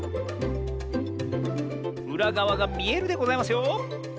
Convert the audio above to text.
うらがわがみえるでございますよ！